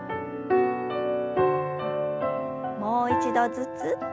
もう一度ずつ。